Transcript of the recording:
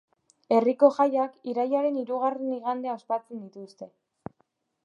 Herriko jaiak irailaren hirugarren igandea ospatzen dituzte.